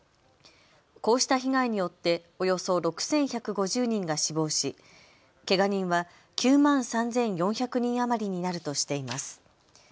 こうした被害によっておよそ６１５０人が死亡しけが人は９万３４００人余りになるとしています。